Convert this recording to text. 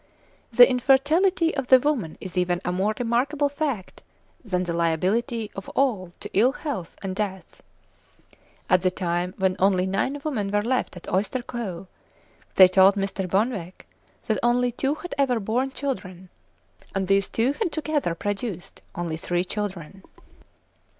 The infertility of the women is even a more remarkable fact than the liability of all to ill health and death. At the time when only nine women were left at Oyster Cove, they told Mr. Bonwick (p. 386), that only two had ever borne children: and these two had together produced only three children!